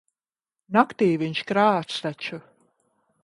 Naktī viņš krāc taču.